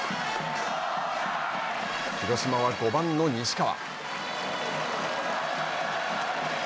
広島は５番の西川。